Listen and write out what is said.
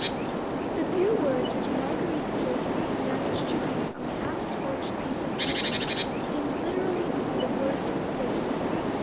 The few words which Marguerite Blakeney had managed to read on the half scorched piece of paper, seemed literally to be the words of Fate.